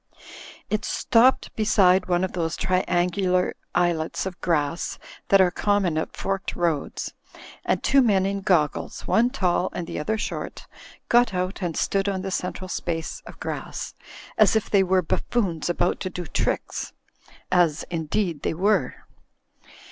It stoppe4 beside one of those triangular islets of grass that are common at forked roads, and two men in goggles, one tall and the other short, got out and stood on the central space of grass, as if they were buffoons about to do tricks. As, indeed, they were.